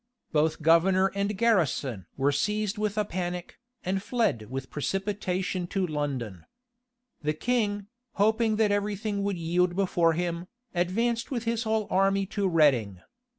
Both governor and garrison were seized with a panic, and fled with precipitation to London. The king, hoping that every thing would yield before him, advanced with his whole army to Reading.